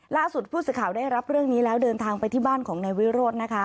ล่าสุดผู้สื่อข่าวได้รับเรื่องนี้แล้วเดินทางไปที่บ้านของนายวิโรธนะคะ